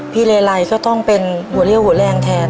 เลไลก็ต้องเป็นหัวเรี่ยวหัวแรงแทน